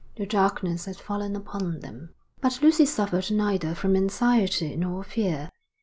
The darkness had fallen upon them. But Lucy suffered neither from anxiety nor fear.